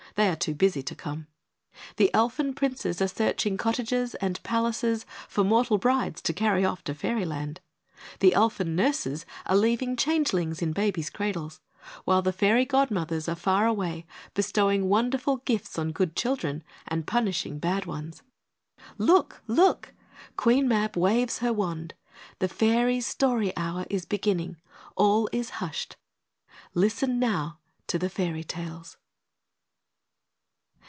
They are too busy to come. The Elfin Princes are searching cottages and palaces for mortal brides to carry off to Fairyland. The Elfin nurses are leaving Changelings in babies' cradles; while the Fairy Godmothers are far away bestowing wonderful gifts on good children, and punishing bad ones. Look! Look! Queen Mab waves her wand! The Fairies' Story Hour is beginning. All is hushed. Listen now to the Fairy tales.